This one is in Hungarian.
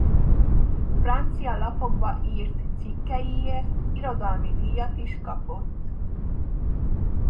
Francia lapokba írt cikkeiért irodalmi díjat is kapott.